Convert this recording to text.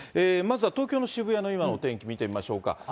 まずは東京の渋谷の、今のお天気見てみましょうか。